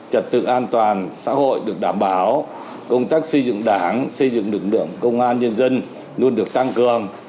trật tự an toàn xã hội được đảm bảo công tác xây dựng đảng xây dựng lực lượng công an nhân dân luôn được tăng cường